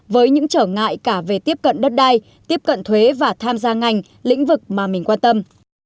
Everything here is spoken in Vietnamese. với những trở ngại cả về tiếp cận đất đai tiếp cận thuế và tham gia ngành lĩnh vực mà mình quan tâm